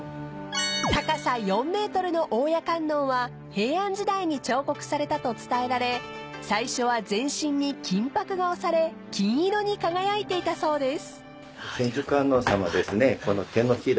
［高さ４ｍの大谷観音は平安時代に彫刻されたと伝えられ最初は全身に金箔が押され金色に輝いていたそうです］